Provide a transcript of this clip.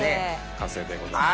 完成でございます。